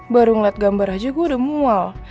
baru ngeliat gambar aja gue udah mual